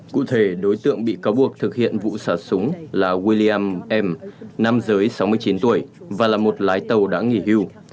cụ thể đối tượng bị cáo buộc thực hiện vụ xả súng là william m nam giới sáu mươi chín tuổi và là một lái tàu đã nghỉ hưu